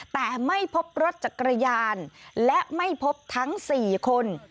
แต่ไม่พบรถจักรยานและไม่พบทั้ง๔คน